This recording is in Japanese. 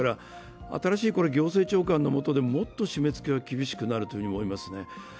新しい行政長官のもとでもっと締め付けは厳しくなると思いますね。